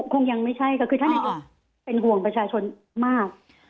คงยังไม่ใช่ก็คือท่านนายกเป็นห่วงประชาชนมาก